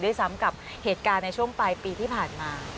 ด้วยซ้ำกับเหตุการณ์ในช่วงปลายปีที่ผ่านมา